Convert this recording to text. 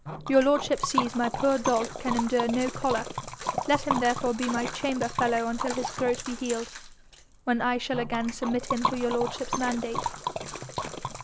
Your lordship sees my poor dog can endure no collar: let him therefore be my chamber fellow until his throat be healed, when I shall again submit him to your lordship's mandate.'